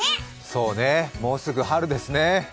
そうね、もうすぐ春ですね。